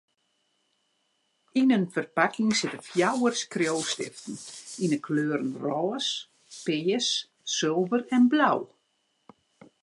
Yn in ferpakking sitte fjouwer skriuwstiften yn 'e kleuren rôs, pears, sulver en blau.